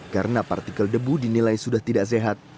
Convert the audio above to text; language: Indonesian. karena partikel debu dinilai sudah tidak sehat